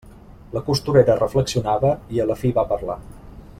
La costurera reflexionava, i a la fi va parlar.